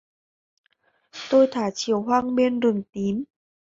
Tôi thả chiều hoang bên rừng tím